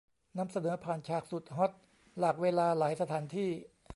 นำเสนอผ่านฉากสุดฮอตหลากเวลาหลายสถานที่